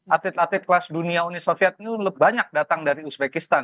atlet atlet kelas dunia uni soviet itu banyak datang dari uzbekistan